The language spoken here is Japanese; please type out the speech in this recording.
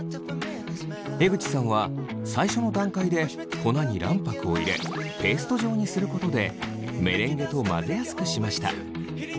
江口さんは最初の段階で粉に卵白を入れペースト状にすることでメレンゲと混ぜやすくしました。